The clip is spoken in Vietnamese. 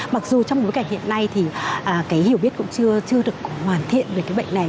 mặc dù trong bối cảnh hiện nay thì cái hiểu biết cũng chưa được hoàn thiện về cái bệnh này